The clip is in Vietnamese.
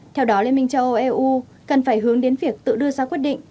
theo đó liên minh châu âu eu cần phải hướng đến việc tự đưa ra quyết định